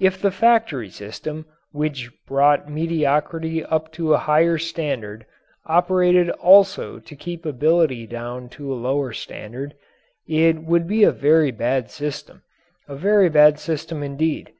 If the factory system which brought mediocrity up to a higher standard operated also to keep ability down to a lower standard it would be a very bad system, a very bad system indeed.